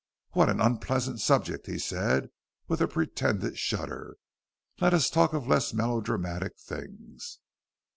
"What an unpleasant subject," he said, with a pretended shudder, "let us talk of less melodramatic things."